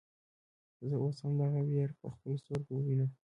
زه اوس هم دغه وير په خپلو سترګو وينم.